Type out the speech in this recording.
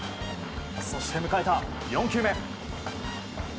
そして迎えた４球目。